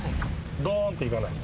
ドーンっていかない